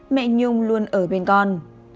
mẹ nhung luôn ở bên con